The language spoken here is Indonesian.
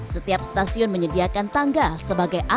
setiap stasiun menyediakan tangga untuk mengembangkan jembatan